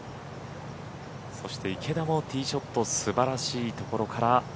そして池田もティーショット素晴らしいところから。